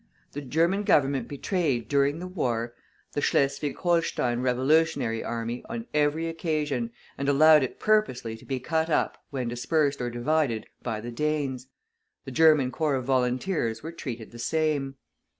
The German Government betrayed, during the war, the Schleswig Holstein revolutionary army on every occasion, and allowed it purposely to be cut up, when dispersed or divided, by the Danes. The German corps of volunteers were treated the same.